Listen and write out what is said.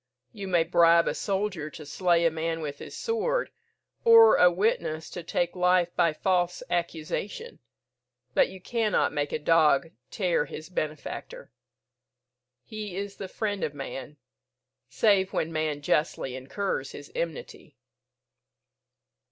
You may bribe a soldier to slay a man with his sword, or a witness to take life by false accusation, but you cannot make a dog tear his benefactor. He is the friend of man, save when man justly incurs his enmity."